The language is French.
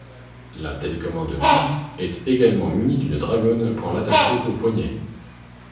La télécommande Wii est également munie d'une dragonne pour l'attacher au poignet.